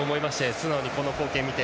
素直に、この光景を見て。